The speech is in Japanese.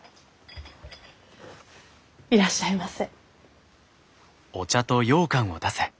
いらっしゃいませ。